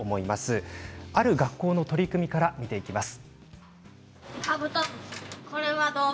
ある学校の取り組みから見ていきます。